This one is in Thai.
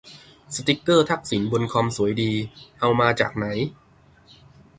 สติกเกอร์ทักษิณบนคอมสวยดี เอามาจากไหน